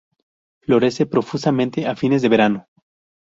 Florece profusamente a fines de verano.